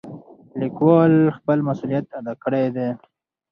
لیکوال خپل مسؤلیت ادا کړی دی.